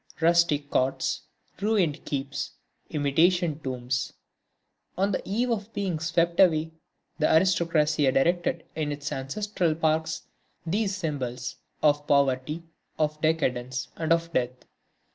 Rustic cots, ruined keeps, imitation tombs, on the eve of being swept away, the aristocracy had erected in its ancestral parks these symbols of poverty, of decadence and of death.